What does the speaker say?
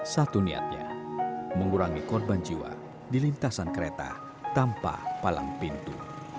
satu niatnya mengurangi korban jiwa di lintasan kereta tanpa palang pintu